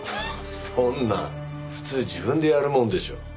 そんな普通自分でやるもんでしょ。